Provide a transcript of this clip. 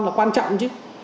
là quan trọng chứ